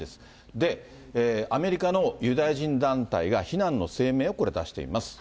で、アメリカのユダヤ人団体が、非難の声明を、これ、出しています。